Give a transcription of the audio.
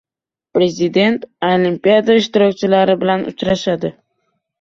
Prezident Olimpiada ishtirokchilari bilan uchrashadi